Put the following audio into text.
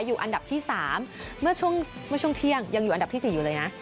อยู่อันดับที่๓เมื่อช่วงเที่ยงยังอยู่อันดับที่๔อยู่เลยนะ